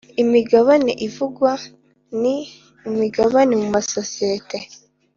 Imigabane ivugwa ni imigabane mu masosiyete